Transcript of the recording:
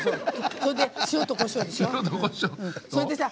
それで塩とこしょうでしょ。